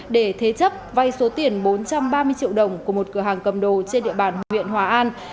để thế chấp vay số tiền bốn trăm ba mươi triệu đồng của một cửa hàng cầm đồ trên địa bàn huyện hòa an